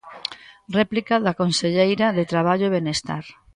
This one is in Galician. Réplica da conselleira de Traballo e Benestar.